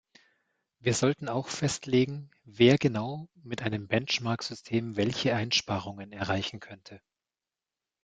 Wir sollten auch festlegen, wer genau mit einem Benchmark-System welche Einsparungen erreichen könnte.